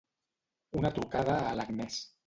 Una trucada a l'Agnès.